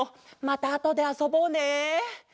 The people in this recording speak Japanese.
またあとであそぼうね。